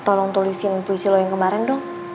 tolong tulisin puisi lo yang kemarin dong